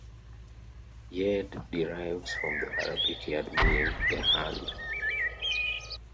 "Yed" derives from the Arabic "Yad" meaning "the hand".